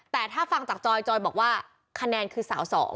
แต่ถ้าฟังจากจอยจอยบอกว่าคะแนนคือสาว๒